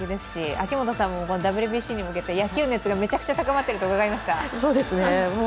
秋元さんもＷＢＣに向けて野球熱がめちゃくちゃ高まっていると伺いました。